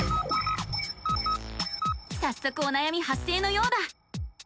さっそくおなやみ発生のようだ！